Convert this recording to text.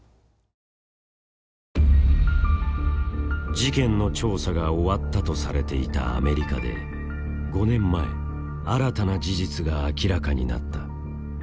事件の調査が終わったとされていたアメリカで５年前新たな事実が明らかになった。